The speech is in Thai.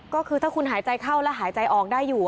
ก็คือถ้าคุณหายใจเข้าแล้วหายใจออกได้อยู่